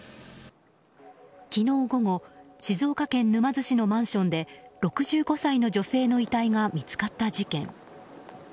昨日午後静岡県沼津市のマンションで６５歳の女性の遺体が見つかった事件。